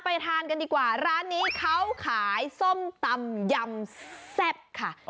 ทานกันดีกว่าร้านนี้เขาขายส้มตำยำแซ่บค่ะ